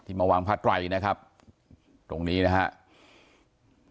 มาวางผ้าไตรนะครับตรงนี้นะครับ